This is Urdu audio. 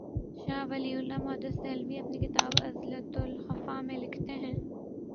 شاہ ولی اللہ محدث دہلوی اپنی کتاب ”ازالتہ الخفا ء“ میں لکھتے ہیں